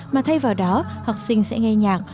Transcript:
mà thay vào đó học sinh sẽ nghe nhạc